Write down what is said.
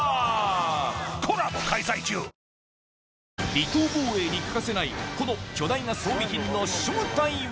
離島防衛に欠かせないこの巨大な装備品の正体は？